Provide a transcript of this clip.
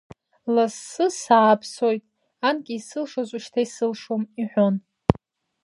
Лассы сааԥсоит, анкьа исылшоз, ушьҭа исылшом, — иҳәон.